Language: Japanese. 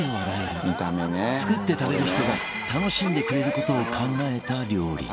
作って食べる人が楽しんでくれる事を考えた料理